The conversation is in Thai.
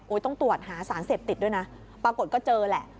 ต้องตรวจหาสารเสพติดด้วยนะปรากฏก็เจอแหละ